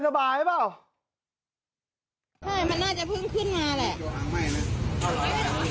ใช่มันน่าจะเพิ่งขึ้นมาแหละ